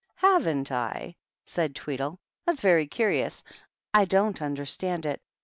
"Haven't I?" said Tweedle; "that's very curious. I don't understand it.